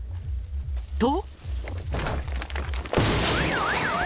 と。